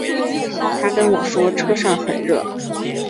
她跟我说车上很热